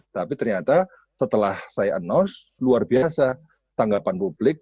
tapi ternyata setelah saya announce luar biasa tanggapan publik